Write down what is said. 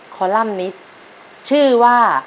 คอลัมนิสชื่อว่า